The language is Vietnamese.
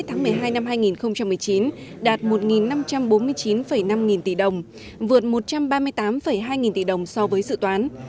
tháng một mươi hai năm hai nghìn một mươi chín đạt một năm trăm bốn mươi chín năm nghìn tỷ đồng vượt một trăm ba mươi tám hai nghìn tỷ đồng so với dự toán